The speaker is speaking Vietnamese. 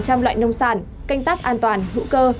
trăm loại nông sản canh tác an toàn hữu cơ